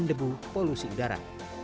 debu polusi udara